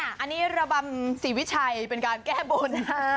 อันนี้ระบำศรีวิชัยเป็นการแก้บน